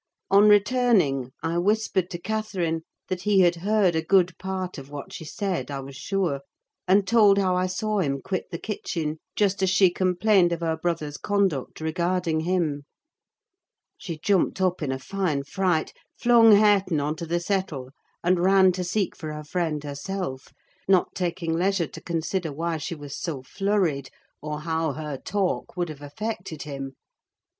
On returning, I whispered to Catherine that he had heard a good part of what she said, I was sure; and told how I saw him quit the kitchen just as she complained of her brother's conduct regarding him. She jumped up in a fine fright, flung Hareton on to the settle, and ran to seek for her friend herself; not taking leisure to consider why she was so flurried, or how her talk would have affected him.